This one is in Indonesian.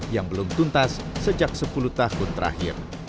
yang belum tuntas sejak sepuluh tahun terakhir